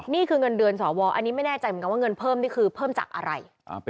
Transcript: นี่คือเงินเดือนสวอันนี้ไม่แน่ใจเหมือนกันว่าเงินเพิ่มนี่คือเพิ่มจากอะไร